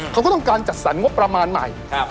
เขาก็ต้องการจัดสรรงบประมาณใหม่